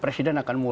presiden akan mulai